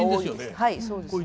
はいそうですね。